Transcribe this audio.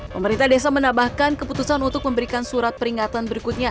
pemerintah desa menambahkan keputusan untuk memberikan surat peringatan berikutnya